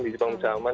di jepang bisa aman